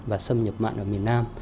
và xâm nhập mặn ở miền nam